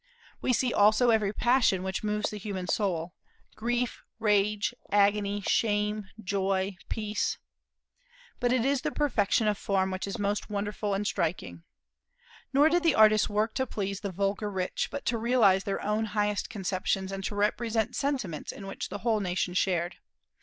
We see also every passion which moves the human soul, grief, rage, agony, shame, joy, peace. But it is the perfection of form which is most wonderful and striking. Nor did the artists work to please the vulgar rich, but to realize their own highest conceptions, and to represent sentiments in which the whole nation shared.